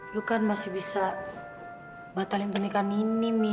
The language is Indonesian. lu kan masih bisa batalin pernikahan ini mi